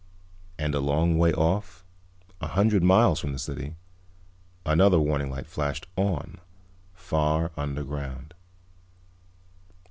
And a long way off, a hundred miles from the city, another warning light flashed on, far underground.